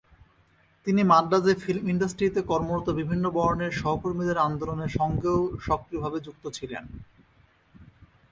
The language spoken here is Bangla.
তিনি মাদ্রাজে ফিল্ম ইন্ডাস্ট্রিতে কর্মরত বিভিন্ন বর্ণের কর্মীদের আন্দোলনের সঙ্গেও সক্রিয়ভাবে যুক্ত ছিলেন।